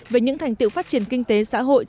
về những thành tiệu phát triển kinh tế xã hội